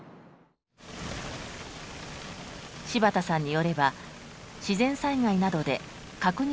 柴田さんによれば自然災害などで確認